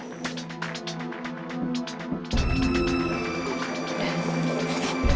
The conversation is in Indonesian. oh serius gak apa apa